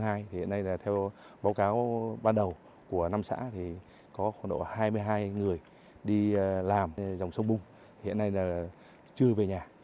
hiện nay theo báo cáo ban đầu của năm xã có khoảng hai mươi hai người đi làm dòng sông bùng hiện nay chưa về nhà